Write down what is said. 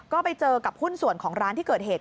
ก็ไปเจอกับหุ้นส่วนของร้านที่เกิดเหตุ